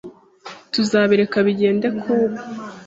Tuzabireka bigende kubu.